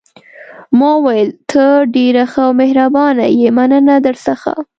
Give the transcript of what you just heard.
ما وویل: ته ډېره ښه او مهربانه یې، مننه درڅخه.